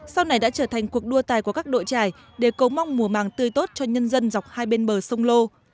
sau này đã trở thành cuộc đua tài của các đội trải để cầu mong mùa màng tươi tốt cho nhân dân dọc hai bên bờ sông lô